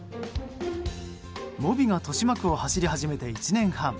ｍｏｂｉが豊島区を走り始めて１年半。